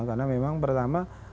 karena memang pertama